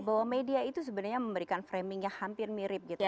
bahwa media itu sebenarnya memberikan framingnya hampir mirip gitu